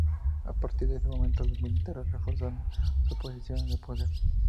A partir de ese momento los militares reforzaron su posición en el poder.